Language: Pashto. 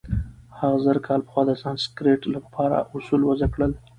هغه زرکال پخوا د سانسکریت له پاره اوصول وضع کړل.